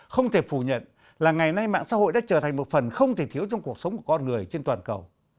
không thể phủ nhận là ngày nay mạng xã hội đã trở thành một phần không thể thiếu trong cuộc sống của con người trên toàn cầu